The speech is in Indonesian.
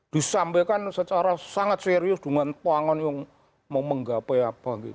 disampaikan secara sangat serius dengan pangan yang mau menggapai apa gitu